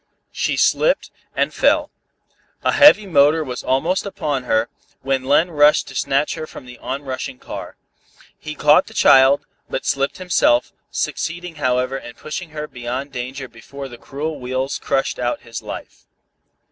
She slipped and fell. A heavy motor was almost upon her, when Len rushed to snatch her from the on rushing car. He caught the child, but slipped himself, succeeding however in pushing her beyond danger before the cruel wheels crushed out his life.